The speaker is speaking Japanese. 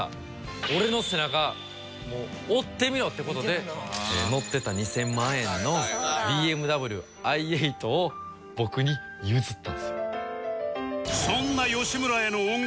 俺の背中追ってみろ」って事で乗ってた２０００万円のＢＭＷｉ８を僕に譲ったんですよ。